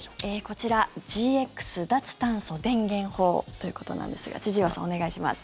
こちら、ＧＸ脱炭素電源法ということなんですが千々岩さん、お願いします。